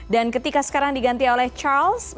dan ketika sekarang diganti oleh queen elizabeth ii